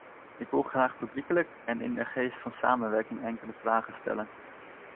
Ik wil graag publiekelijk en in een geest van samenwerking enkele vragen stellen.